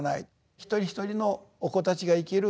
一人一人のお子たちが生きる